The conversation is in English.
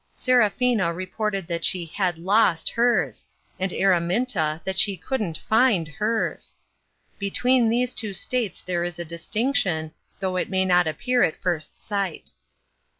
Seraphina reported that she had lost hers, and Araminta, that she couldrCt find hers. Between those two states there is a distinction, though it may not appear at first sight.